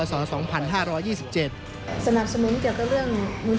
สนับสมุนเกี่ยวกับเรื่องมือทีจุดบริการประชาชน